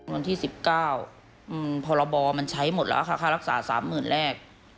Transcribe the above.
วันที่๑๙พรบมันใช้หมดแล้วค่ะค่ารักษา๓๐๐๐แรก